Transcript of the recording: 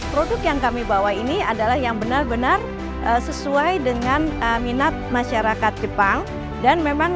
produk yang kami bawa ini adalah yang benar benar sesuai dengan minat masyarakat jepang dan memang